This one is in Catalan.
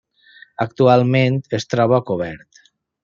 Actualment es troba cobert.